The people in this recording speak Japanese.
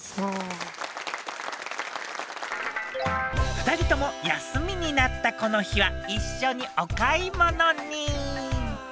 ２人とも休みになったこの日は一緒にお買い物に。